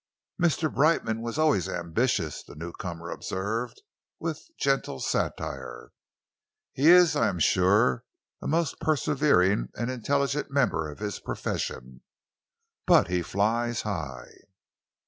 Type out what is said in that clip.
"Mr. Brightman was always ambitious," the newcomer observed, with gentle satire. "He is, I am sure, a most persevering and intelligent member of his profession, but he flies high."